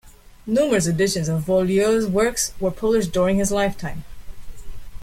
Numerous editions of Boileau's works were published during his lifetime.